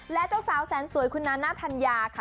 และเจ้าสาวแสนสวยคุณนานาธัญญาค่ะ